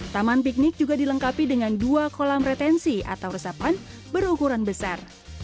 taman piknik juga dilengkapi dengan dua kolam retensi atau resapan berukuran besar